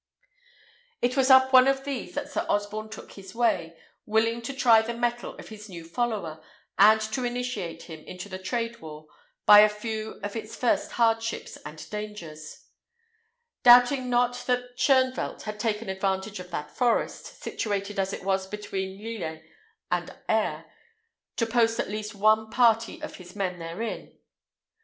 It was up one of these that Sir Osborne took his way, willing to try the mettle of his new follower, and to initiate him into the trade of war, by a few of its first hardships and dangers, doubting not that Shoenvelt had taken advantage of that forest, situated as it was between Lillers and Aire, to post at least one party of his men therein.